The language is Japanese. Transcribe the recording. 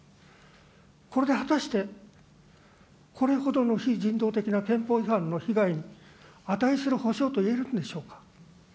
これで果たして、これほどの非人道的な憲法違反の被害に値する補償といえるんでしょうか。